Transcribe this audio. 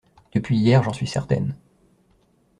Depuis hier, j'en suis certaine.